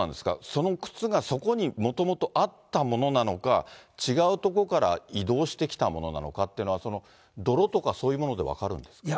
その靴がそこにもともとあったものなのか、違う所から移動してきたものなのかっていうのは、泥とかそういうもので分かるんですかね？